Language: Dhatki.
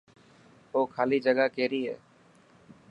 او خالي جگا ڪيري هي.